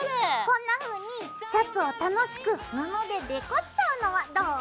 こんなふうにシャツを楽しく布でデコっちゃうのはどう？